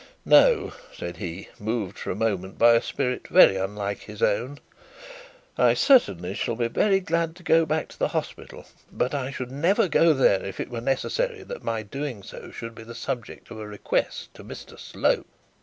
No,' said he, moved for a moment by a spirit very unlike his own, 'I certainly shall be very glad to go back to the hospital; but I should never go there, if it were necessary that my doing so should be the subject of a request to Mr Slope.'